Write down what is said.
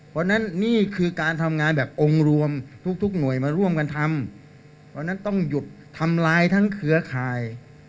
เพราะฉะนั้นนี่คือการทำงานแบบองค์รวมทุกหน่วยมาร่วมกันทำเพราะฉะนั้นต้องหยุดทำลายทั้งเครือข่าย